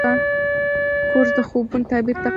کورس د خوبونو تعبیر ته قدم دی.